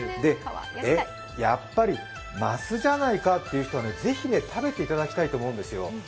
え、やっぱりマスじゃないかという人はぜひ食べていただきたいんですよ。